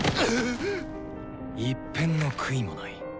一片の悔いもない。